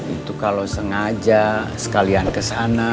itu kalau sengaja sekalian kesana